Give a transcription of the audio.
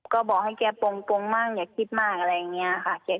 ก็บอกให้เก๊ปูงปูงมาอยากทดคิดมากอะไรอย่างนี้ค่ะ